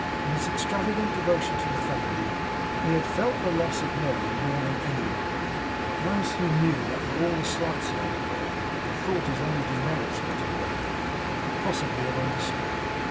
In his extravagant devotion to the family, he had felt the loss of Merry more than any one but those who knew that for all the slights he underwent he thought his own demerits were to blame, could possibly have understood.